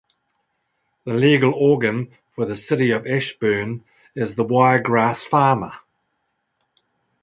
The legal organ for the City of Ashburn is "The Wiregrass Farmer".